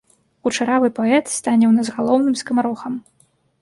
Кучаравы паэт стане ў нас галоўным скамарохам.